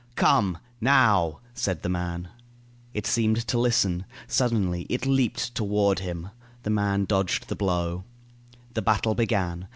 "Come, now!" said the man. It seemed to listen. Suddenly it leaped toward him. The man dodged the blow. The battle began.